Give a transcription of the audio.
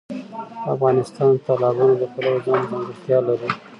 افغانستان د تالابونه د پلوه ځانته ځانګړتیا لري.